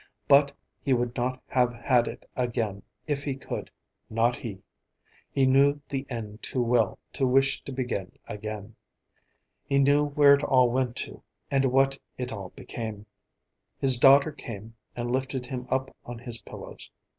But he would not have had it again if he could, not he! He knew the end too well to wish to begin again. He knew where it all went to, what it all became. His daughter came and lifted him up on his pillows.